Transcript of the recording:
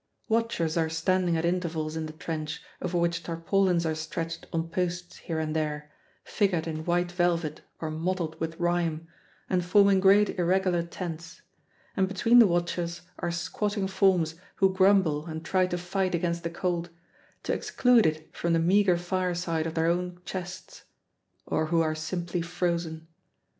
Watchers are standing at intervals in the trench, over which tarpaulins are stretched on posts here and there, figured in white velvet or mottled with rime, and forming great irregular tents; and between the watchers are squatting forms who grumble and try to fight against the cold, to exclude it from the meager fireside of their own chests, or who are simply frozen.